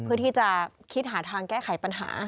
เพื่อที่จะคิดหาทางแก้ไขปัญหา